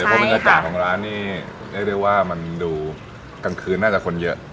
เพราะบรรยากาศของร้านนี่เรียกได้ว่ามันดูกลางคืนน่าจะคนเยอะ